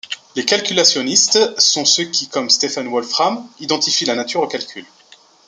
Les calculationnistes sont ceux qui comme Stephen Wolfram identifient la nature au calcul.